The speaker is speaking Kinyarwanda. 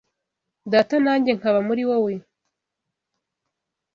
Data, nanjye nkaba muri wowe